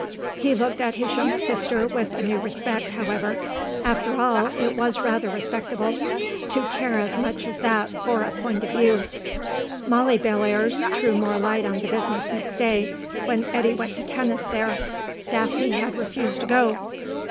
He looked at his young sister with a new respect, however; after all, it was rather respectable to care as much as that for a point of view. Molly Bellairs threw more light on the business next day when Eddy went to tennis there (Daphne had refused to go).